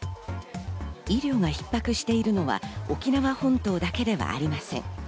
医療が逼迫しているのは沖縄本島だけではありません。